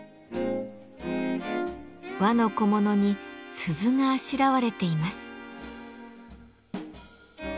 和の小物に鈴があしらわれています。